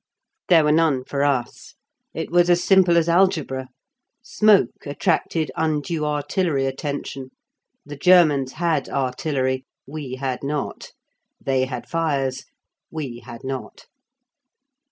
There were none for us. It was as simple as algebra. Smoke attracted undue artillery attention the Germans had artillery; we had not. They had fires; we had not.